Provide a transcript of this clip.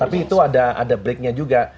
tapi itu ada breaknya juga